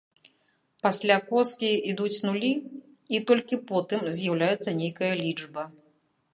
Пасля коскі ідуць нулі і толькі потым з'яўляецца нейкая лічба.